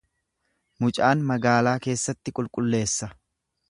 Mucaan magaalaa keessatti qulqulleessa.